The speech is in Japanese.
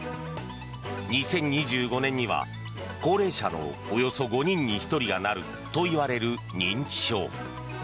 ２０２５年には高齢者のおよそ５人に１人がなるといわれる認知症。